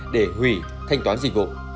để hủy thanh toán dịch vụ